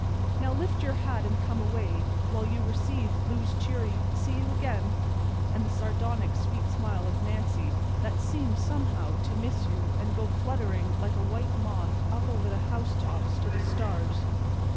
Now lift your hat and come away, while you receive Lou's cheery "See you again," and the sardonic, sweet smile of Nancy that seems, somehow, to miss you and go fluttering like a white moth up over the housetops to the stars.